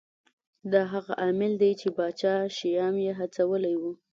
دا هغه عامل دی چې پاچا شیام یې هڅولی و.